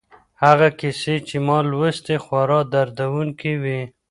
هغه کیسې چي ما لوستلې خورا دردونکي وې.